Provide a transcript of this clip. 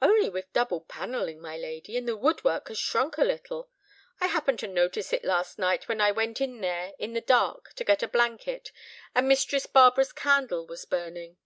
"Only with double panelling, my lady, and the woodwork has shrunk a little. I happened to notice it last night when I went in there in the dark to get a blanket, and Mistress Barbara's candle was burning."